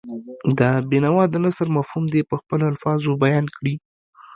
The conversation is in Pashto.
د بېنوا د نثر مفهوم دې په خپلو الفاظو بیان کړي.